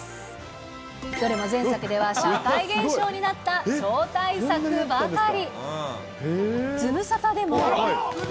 どれも前作では社会現象になった超大作ばかり。